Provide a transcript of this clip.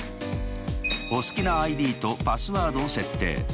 お好きなＩＤとパスワードを設定。